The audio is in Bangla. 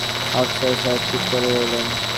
আফসার সাহেব চুপ করে রইলেন।